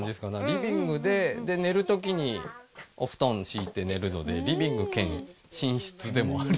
リビングで寝る時にお布団敷いて寝るのでリビング兼寝室でもあり。